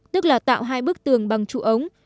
tức là tạo hai bức tường bằng trụ ống